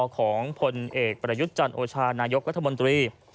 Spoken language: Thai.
ของผลเอกประยุทธ์จันโอชานายกรัฐมนตรี